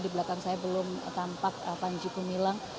di belakang saya belum tampak panji gumilang